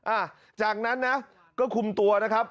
อ่ะจากนั้นนะก็คุมตัวนะครับ